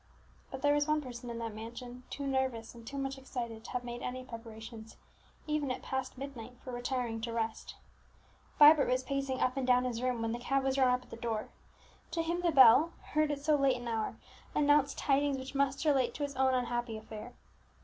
But there was one person in that mansion too nervous and too much excited to have made any preparations, even at past midnight, for retiring to rest. Vibert was pacing up and down his room when the cab was drawn up at the door; to him the bell, heard at so late an hour, announced tidings which must relate to his own unhappy affair.